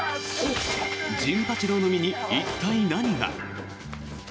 陣八郎の身に一体、何が？